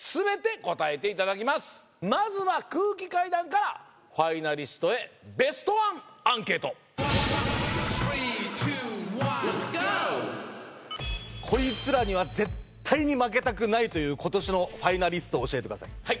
まずは空気階段からファイナリストへベストワンアンケートこいつらには絶対に負けたくないという今年のファイナリストを教えてください